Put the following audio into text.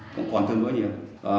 cũng còn thương bối nhiều